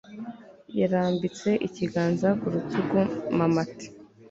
Yarambitse ikiganza ku rutugu mamat